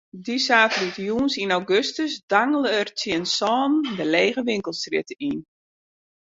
Dy saterdeitejûns yn augustus dangele er tsjin sânen de lege winkelstrjitte yn.